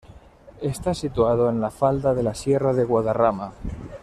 Está situado en la falda de la Sierra de Guadarrama.